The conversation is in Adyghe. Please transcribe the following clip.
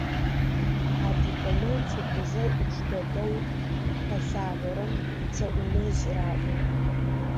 Адыгэмэ цӏыкӏузэ ӏуш дэдэу къэлъагъорэм Цэӏунэжъ раӏо.